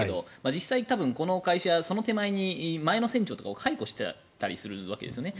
実際に多分この会社はその手前に前の船長を解雇していたりがあるわけですね。